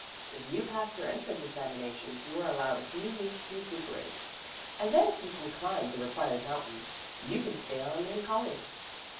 If you pass your entrance examinations you are allowed a few weeks to recuperate, and then if you can climb the required mountain you can stay on in college."